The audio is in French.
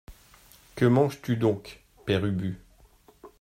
Que manges-tu donc, Père Ubu ?